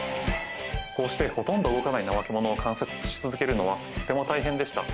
こうしてほとんど動かないナマケモノを観察し続けるのは、とても大変でした。